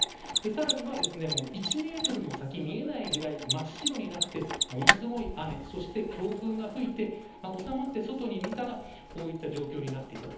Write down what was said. さらには１メートルも先見えないぐらい真っ白になって、ものすごい雨そして強風が吹いて収まって外を見たらこういった状況になっていた。